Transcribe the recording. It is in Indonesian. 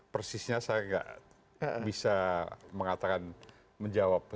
persisnya saya tidak bisa mengatakan menjawab